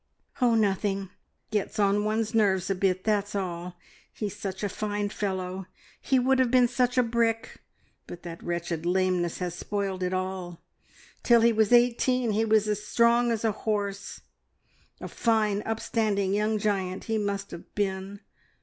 "Oh, nothing. Gets on one's nerves a bit that's all. He's such a fine fellow, he would have been such a brick, but that wretched lameness has spoiled it all. Till he was eighteen he was as strong as a horse a fine, upstanding young giant he must have been.